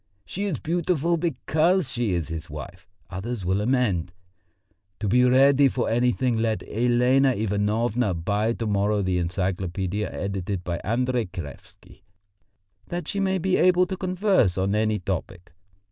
'She is beautiful because she is his wife,' others will amend. To be ready for anything let Elena Ivanovna buy to morrow the Encyclopædia edited by Andrey Kraevsky, that she may be able to converse on any topic.